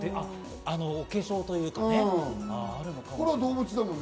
お化粧というかね。